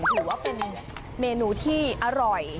ถือว่าเป็นเมนูที่อร่อย